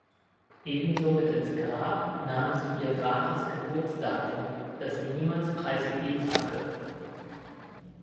Ebenso mit ins Grab nahm sie ihr wahres Geburtsdatum, das sie niemals preisgegeben hatte.